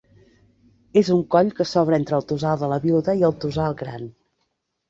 És un coll que s'obre entre el Tossal de la Viuda i el Tossal Gran.